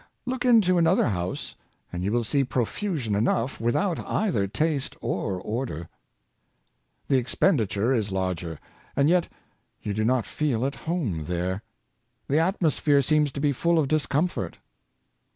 Look into another house, and you will see profusion enough, without either taste or order. The expendi ture is larger, and yet you do not feel "at home" there. The atmosphere seems to be full of discomfort.